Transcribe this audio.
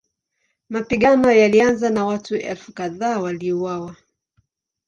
Mapigano yalianza na watu elfu kadhaa waliuawa.